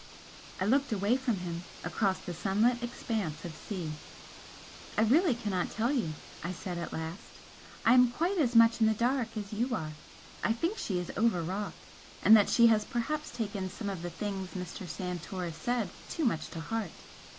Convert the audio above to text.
I looked away from him across the sunlit expanse of sea. "I really cannot tell you," I said, at last "I am quite as much in the dark as you are. I think she is overwrought, and that she has perhaps taken some of the things Mr. Santoris said too much to heart.